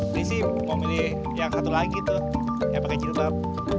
ini sih mau milih yang satu lagi tuh yang pakai jilbab